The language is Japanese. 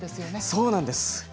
そうなんです。